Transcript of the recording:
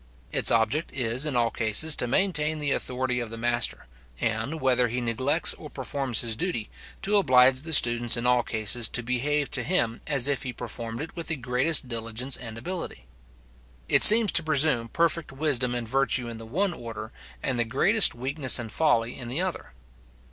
Its object is, in all cases, to maintain the authority of the master, and, whether he neglects or performs his duty, to oblige the students in all cases to behave to him as if he performed it with the greatest diligence and ability. It seems to presume perfect wisdom and virtue in the one order, and the greatest weakness and folly in the other.